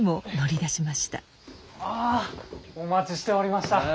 あぁお待ちしておりました。